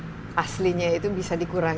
ini plastik yang aslinya itu bisa dikurangi